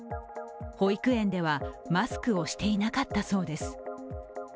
保育園ではマスクをしていなかったそうです。